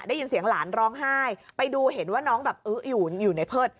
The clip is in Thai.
ได้ยินเสียงหลานร้องไห้ไปดูเห็นว่าน้องแบบอื้ออยู่ในเพิด